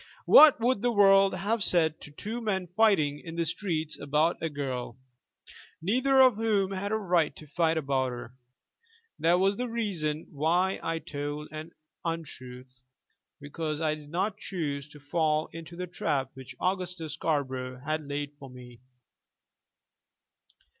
What would the world have said to two men fighting in the streets about a girl, neither of whom had a right to fight about her? That was the reason why I told an untruth, because I did not choose to fall into the trap which Augustus Scarborough had laid for me.